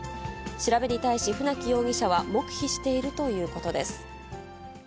調べに対し、船木容疑者は黙秘しているということです。